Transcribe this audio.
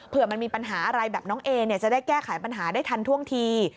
เพื่อมันมีปัญหาอะไรแบบน้องเอเนี่ยจะได้แก้ไขปัญหาได้ทันท่วงที